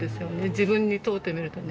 自分に問うてみるとね。